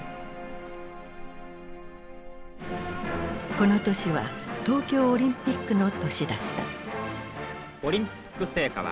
この年は東京オリンピックの年だった。